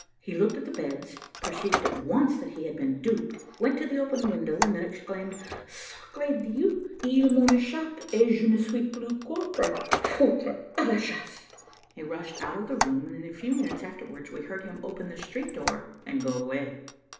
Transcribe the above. He looked at the beds, perceived at once that he had been duped, went to the open window, and then exclaimed, "Sacre Dieu! Ils m'ont eschappes et je ne ne suis plus corporal. Foutre! a la chasse!" He rushed out of the room, and in a few minutes afterwards we heard him open the street door, and go away.